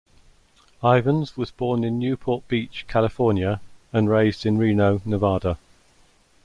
Ivens was born in Newport Beach, California and raised in Reno, Nevada.